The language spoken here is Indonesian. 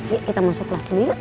yuk kita masuk ke class dulu yuk